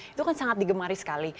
itu kan sangat digemari sekali